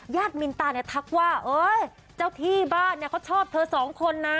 ญาติมินตราเนี่ยทักว่าเจ้าที่บ้านเนี่ยเขาชอบเธอ๒คนนะ